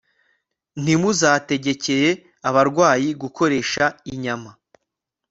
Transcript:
Ntimuzategekere abarwayi gukoresha inyama